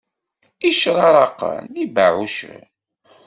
Icraraqen d ibeɛɛucen.